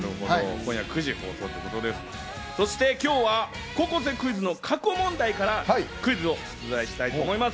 今夜９時放送ということで、今日は『高校生クイズ』の過去問題からクイズを出題したいと思います。